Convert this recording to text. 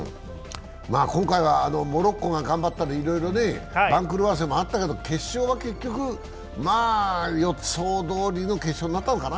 今回はモロッコが頑張ったのでいろいろ番狂わせもあったけど決勝は結局、まぁ予想どおりの決勝になったのかな。